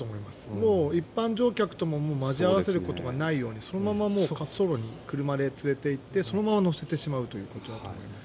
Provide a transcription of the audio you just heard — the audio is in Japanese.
もう一般乗客とも交わることがないようにそのまま滑走路に車で連れていってそのまま乗せてしまうということだと思います。